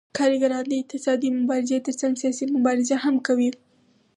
کارګران د اقتصادي مبارزې ترڅنګ سیاسي مبارزه هم کوي